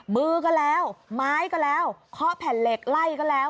มือก็แล้วไม้ก็แล้วเคาะแผ่นเหล็กไล่ก็แล้ว